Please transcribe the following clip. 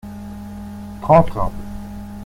Trente.